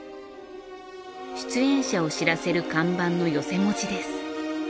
出演者を知らせる看板の寄席文字です。